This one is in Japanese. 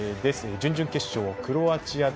準々決勝クロアチア対